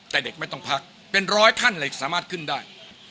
แต่เด็กไม่ต้องพักเป็นร้อยท่านเหล็กสามารถขึ้นได้